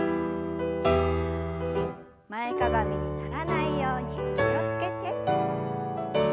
前かがみにならないように気を付けて。